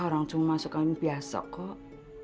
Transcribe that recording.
orang cuma masukkan biasok kok